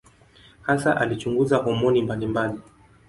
Hasa alichunguza homoni mbalimbali.